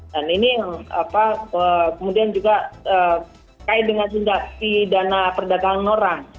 dan ini kemudian juga kait dengan tindak di dana perdagangan orang